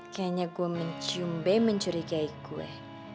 kayaknya gue menciumbe mencurigai gue